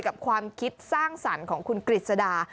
ความคิดสร้างสรรค์ของคุณกฤษดา